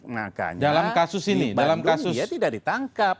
makanya di bandung dia tidak ditangkap